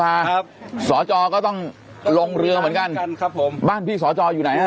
ครับสอจอก็ต้องลงเรือเหมือนกันครับผมบ้านพี่สอจออยู่ไหนฮะ